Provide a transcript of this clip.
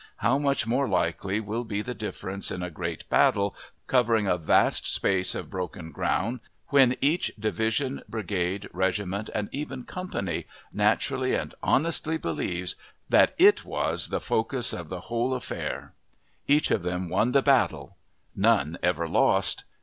How much more likely will be the difference in a great battle covering a vast space of broken ground, when each division, brigade, regiment, and even company, naturally and honestly believes that it was the focus of the whole affair! Each of them won the battle. None ever lost.